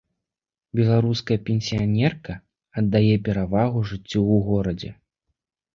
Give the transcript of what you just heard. Беларуская пенсіянерка аддае перавагу жыццю ў горадзе.